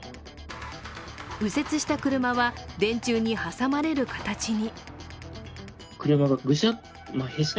右折した車は、電柱に挟まれる形に。